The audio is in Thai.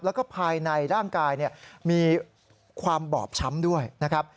แล้วก็ภายในร่างกายมีความบอบช้ำด้วยนะครับ